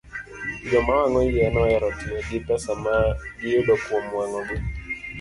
Joma wang'o yien ohero tiyo gi pesa ma giyudo kuom wang'ogi.